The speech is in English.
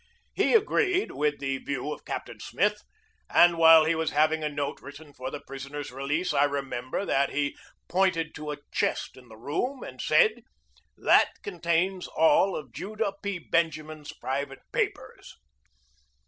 He agreed with the view of Cap tain Smith; and while he was having a note writ ten for the prisoner's release I remember that he pointed to a chest in the room and said: "That contains all of Judah P. Benjamin's pri vate papers."